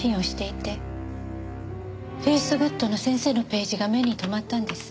ｆａｃｅｇｏｏｄの先生のページが目に留まったんです。